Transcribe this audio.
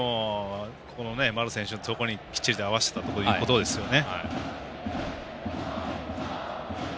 丸選手のところにきっちりと合わせていたということですよね。